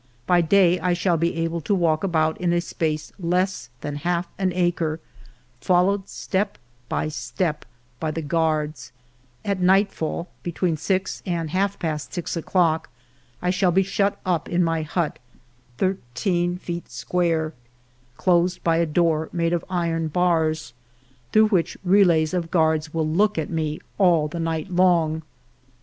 By day I shall be able to walk about in a space less than half an acre, followed step by step by the guards ; at nightfall (between six and half past six o'clock) I shall be shut up in my hut, thirteen feet square, closed by a door made of iron bars, through which relays of guards will look at me all the night long.